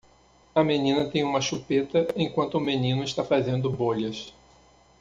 A menina tem uma chupeta enquanto o menino está fazendo bolhas